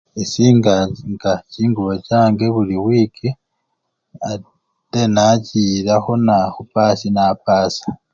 Esinganga chingubo change buli wiki ate nachiyila khuna! khupasi napasa.